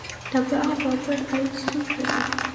د باغ بابر عاید څومره دی؟